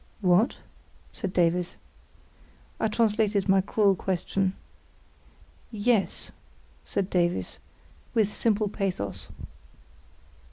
"What?" said Davies. I translated my cruel question. "Yes," said Davies, with simple pathos.